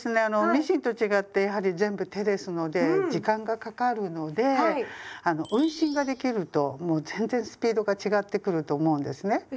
あのミシンと違ってやはり全部手ですので時間がかかるのであの運針ができるともう全然スピードが違ってくると思うんですね。